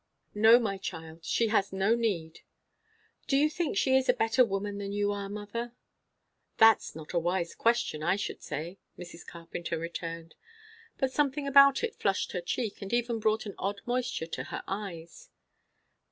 "No, my child. She has no need." "Do you think she is a better woman than you are, mother?" "That's not a wise question, I should say," Mrs. Carpenter returned. But something about it flushed her cheek and even brought an odd moisture to her eyes.